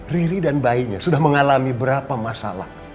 riri dan bayinya sudah mengalami berapa masalah